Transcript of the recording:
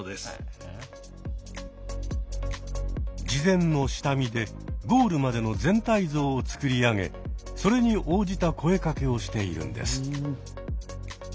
事前の下見でゴールまでの全体像をつくり上げそれに応じた声かけをしているんです。